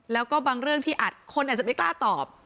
แล้วก็บางเรื่องที่คนอาจจะไม่กล้าตอบ